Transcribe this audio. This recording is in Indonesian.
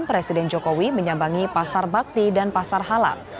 presiden jokowi menyambangi pasar bakti dan pasar halal